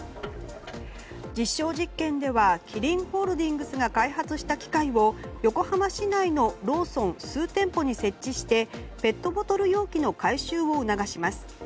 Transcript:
実証実験ではキリンホールディングスが開発した機械を横浜市内のローソン数店舗に設置してペットボトル容器の回収を促します。